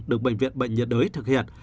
được bệnh viện bệnh nhiệt đới thực hiện